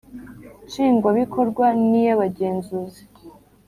Nshingwabikorwa ni y Abagenzuzi